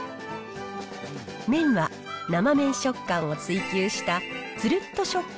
麺は生めん食感を追求したつるっと食感